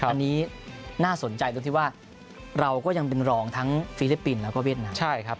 อันนี้น่าสนใจตรงที่ว่าเราก็ยังเป็นรองทั้งฟิลิปปินส์แล้วก็เวียดนามใช่ครับ